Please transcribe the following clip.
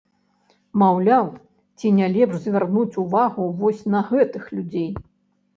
Маўляў, ці не лепш звярнуць увагу на вось гэтых людзей?